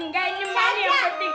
nggak ini mani yang penting